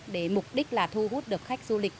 để mục đích thu hút được khách du lịch